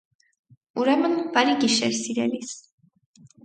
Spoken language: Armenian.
- Ուրեմն, բարի գիշեր, սիրելիս: